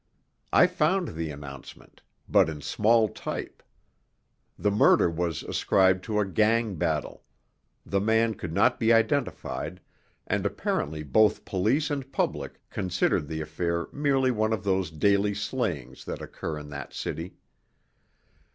I found the announcement but in small type. The murder was ascribed to a gang battle the man could not be identified, and apparently both police and public considered the affair merely one of those daily slayings that occur in that city.